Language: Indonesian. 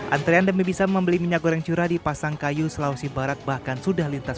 antrean demi bisa membeli minyak goreng curah di pasangkayu sulawesi barat bahkan sudah lintas